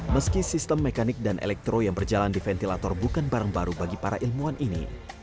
meski sistem mekanik dan elektro yang berjalan di ventilator bukan barang baru bagi para ilmuwan ini